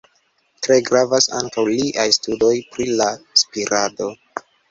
Tre gravas ankaŭ liaj studoj pri la spirado.